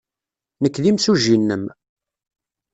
Nekk d imsujji-nnem.